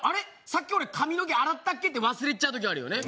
さっき俺髪の毛洗ったっけ？って忘れちゃう時あるよね。